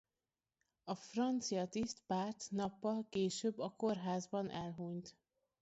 A francia tiszt pár nappal később a kórházban elhunyt.